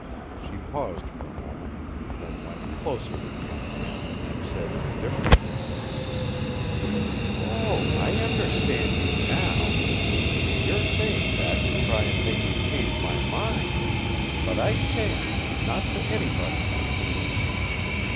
She paused for a moment, then went closer to the young man and said in a different tone: "Oh, I understand you now you're saying that to try and make me change my mind. But I shan't not for anybody."